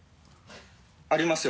ありますよ。